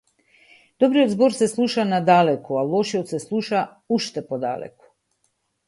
Добриот збор се слуша надалеку, а лошиот се слуша уште подалеку.